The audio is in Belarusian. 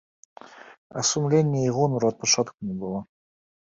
А сумлення і гонару ад пачатку не было.